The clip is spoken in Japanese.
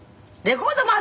「レコードも。